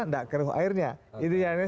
tidak keruh airnya itu yang